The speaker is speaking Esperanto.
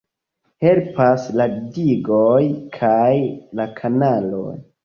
Helpas la digoj kaj la kanaloj.